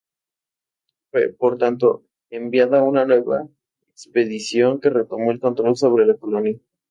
Fue, por tanto, enviada una nueva expedición que retomó el control sobre la colonia.